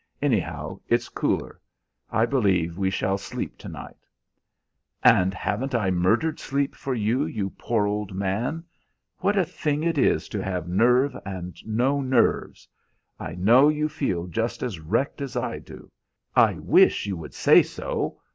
Anyhow, it's cooler. I believe we shall sleep to night." "And haven't I murdered sleep for you, you poor old man? What a thing it is to have nerve and no nerves! I know you feel just as wrecked as I do. I wish you would say so.